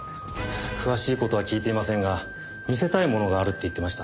詳しい事は聞いていませんが見せたいものがあるって言ってました。